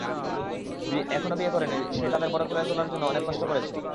এখনো বিয়ে করেনি, সে তোদের বড় করে তুলার জন্য, অনেক কষ্ট করেছে।